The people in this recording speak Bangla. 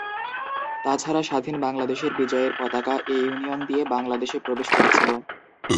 তা ছাড়া স্বাধীন বাংলাদেশের বিজয়ের পতাকা এ ইউনিয়ন দিয়ে বাংলাদেশে প্রবেশ করেছিল।